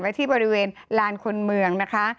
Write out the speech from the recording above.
ที่บริเวณลานคนเมืองนะคะ